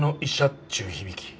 っちゅう響き。